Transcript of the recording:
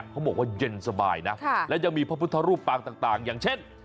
เขาบอกว่าเย็นสบายนะและยังมีพระพุทธรูปปางต่างอย่างเช่น